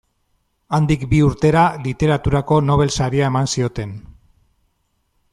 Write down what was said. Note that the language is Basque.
Handik bi urtera Literaturako Nobel saria eman zioten.